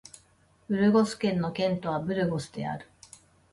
ブルゴス県の県都はブルゴスである